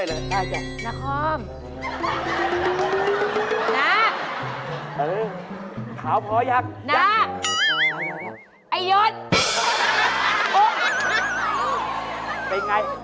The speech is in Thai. เฮ่ยเขียนมาแล้วเหม็นนิดหนูว่าว่ะ